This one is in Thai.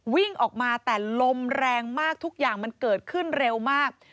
วิ่งออกมาแต่ลมแรงมากทุกอย่างมันเกิดขึ้นเร็วมาก